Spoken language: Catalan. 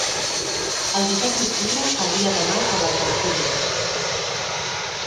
El disset d'octubre hauria d'anar a les Alcubles.